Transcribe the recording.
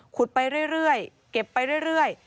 ไปเรื่อยเก็บไปเรื่อย